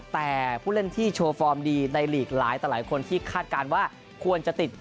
แต่ผู้เล่นที่โชว์ฟอร์มดีในหลีกหลายต่อหลายคนที่คาดการณ์ว่าควรจะติด